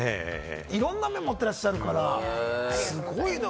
いろんな面を持っていらっしゃるから、すごいのよ。